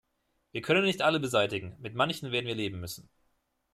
Wir können nicht alle beseitigen, mit manchen werden wir leben müssen.